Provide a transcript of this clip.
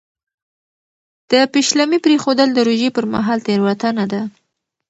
د پېشلمي پرېښودل د روژې پر مهال تېروتنه ده.